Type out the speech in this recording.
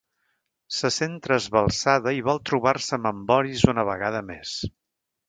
Se sent trasbalsada i vol trobar-se amb en Boris una vegada més.